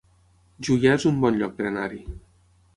Juià es un bon lloc per anar-hi